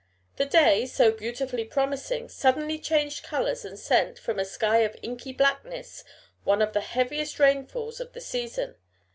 The day, so beautifully promising, suddenly changed colors and sent, from a sky of inky blackness, one of the heaviest rainfalls of the season.